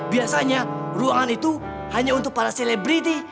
biasanya ruangan itu hanya untuk para selebriti